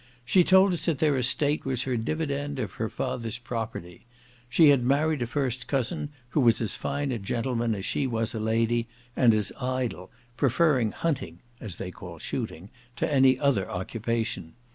She told us that their estate was her divi dend of her father's property. She had married a first cousin, who was as fine a gentleman as she was a lady, and as idle, preferring hunting (as they called shooting) to any other occupation.